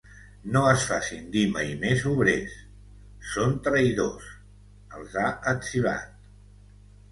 No es facin dir mai més obrers; són traïdors, els ha etzibat.